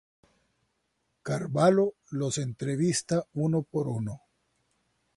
Carvalho los entrevista uno por uno.